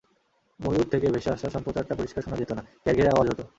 বহুদূর থেকে ভেসে আসা সম্প্রচারটা পরিষ্কার শোনা যেত না, ঘ্যাড়ঘেড়ে আওয়াজ হতো।